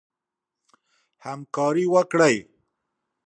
همکاري وکړئ.